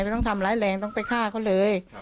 ต้องทำร้ายแรงต้องไปฆ่าเขาเลย